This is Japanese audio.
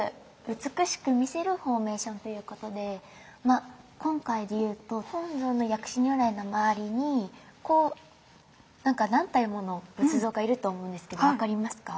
「美しく魅せるフォーメーション」ということで今回でいうと本尊の薬師如来の周りに何体もの仏像がいると思うんですけど分かりますか？